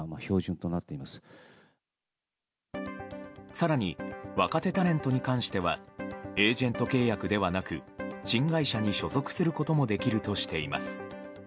更に、若手タレントに関してはエージェント契約ではなく新会社に所属することもできるとしています。